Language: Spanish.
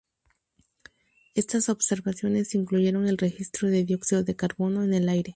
Estas observaciones incluyeron el registro de dióxido de carbono en el aire.